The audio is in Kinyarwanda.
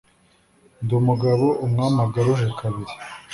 Ndi umugabo umwami agaruje kabili,